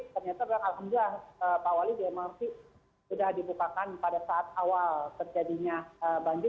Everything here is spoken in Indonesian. ternyata alhamdulillah pak wali di mrt sudah dibukakan pada saat awal terjadinya banjir